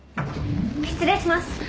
・失礼します。